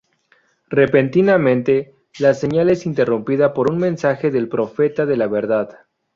Repentinamente, la señal es interrumpida por un mensaje del Profeta de la Verdad.